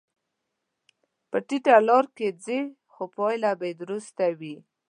په ټیټه لار کې ځې، خو پایله به درسته وي.